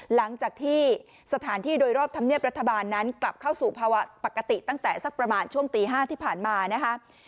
หลังจากที่สถานที่โดยรอบธรรมเนียบรัฐบาลนั้นกลับเข้าสู่ภาวะปกติตั้งแต่สักประมาณช่วงตี๕ที่ผ่านมานะคะ